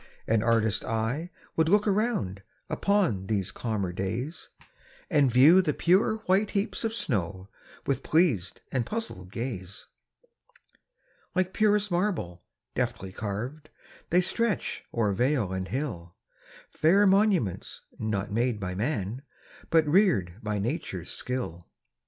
An artist's eye would look around, Upon these calmer days, And view the pure white heaps of snow, With pleas'd and puzzl'd gaze. Like purest marble, deftly carv'd, They stretch o'er vale and hill, Fair monuments, not made by man, But rear'd by nature's skill.